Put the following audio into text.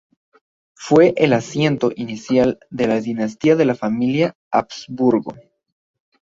Fue el asiento inicial de la dinastía de la familia Habsburgo.